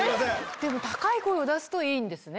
でも高い声を出すといいんですね。